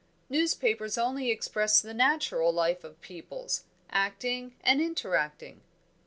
Newspapers only express the natural life of peoples, acting and interacting."